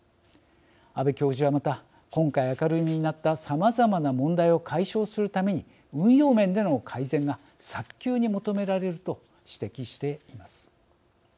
阿部教授はまた今回明るみになったさまざまな問題を解消するために運用面での改善が早急に求められると指摘しています。